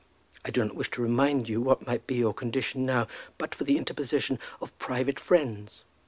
I do not wish to remind you what might be your condition now, but for the interposition of private friends."